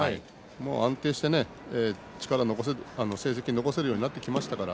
安定して力を残す成績を残すようになってきましたから。